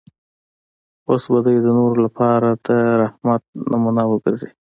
اوس به دی د نورو لپاره د رحمت نمونه وګرځي.